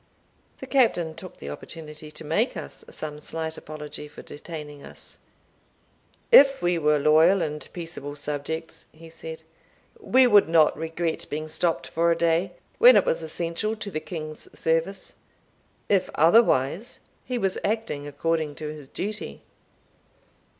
The Captain took the opportunity to make us some slight apology for detaining us. "If we were loyal and peaceable subjects," he said, "we would not regret being stopt for a day, when it was essential to the king's service; if otherwise, he was acting according to his duty."